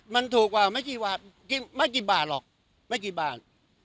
มันถูกกว่าไม่กี่บาทไม่กี่บาทหรอกไม่กี่บาท